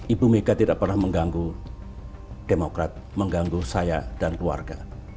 ibu mega tidak pernah mengganggu demokrat mengganggu saya dan keluarga